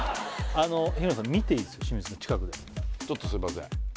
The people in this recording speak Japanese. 日村さんちょっとすみません